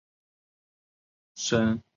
牲川步见在磐田山叶青训出身。